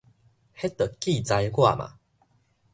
彼都據在我嘛